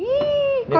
wih kok curang